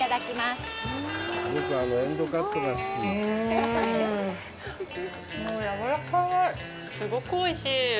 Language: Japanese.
すごくおいしい。